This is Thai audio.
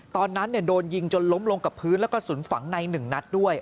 ตอนนั้นโดนยิงจนล้มลงกับพื้นแล้วกระสุนฝังใน๑นัดด้วย